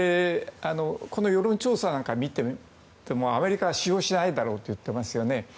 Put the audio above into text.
世論調査を見てもアメリカは使用しないだろうと言っていますよね。